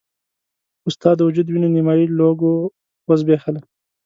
خو ستا د وجود وينه نيمایي لوږو وزبېښله.